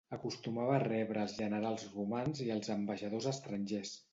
Acostumava a rebre els generals romans i als ambaixadors estrangers.